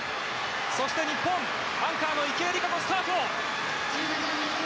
そして日本、アンカーの池江璃花子、スタート。